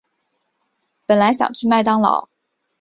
本来想去麦当劳